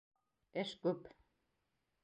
Эш күп.